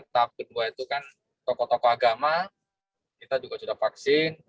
toko toko agama kita juga sudah vaksin